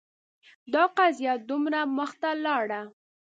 دا قضیه دومره مخته لاړه